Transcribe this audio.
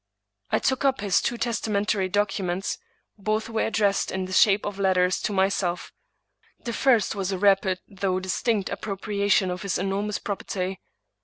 I took up his two testamentary documents; both were 145 English Mystery Stories addressed in the shape of letters to myself. The first was a rapid though distinct appropriation of his enormous prop erty.